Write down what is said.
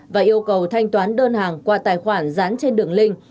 và yêu cầu thanh toán đơn hàng qua tài khoản dán trên đường link